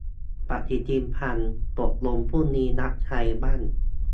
ปฏิทินพัง ตกลงพรุ่งนี้นัดใครบ้าง ?